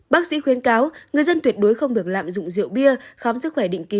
bác sĩ khuyên cáo người dân tuyệt đối không được lạm dụng rượu bia khám sức khỏe định kỳ